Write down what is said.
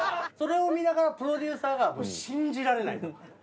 それを見ながらプロデューサーが信じられないと。